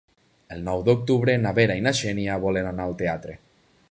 El nou d'octubre na Vera i na Xènia volen anar al teatre.